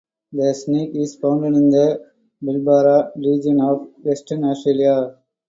The snake is found in the Pilbara region of Western Australia.